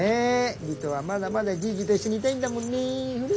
理人はまだまだジージと一緒にいたいんだもんね。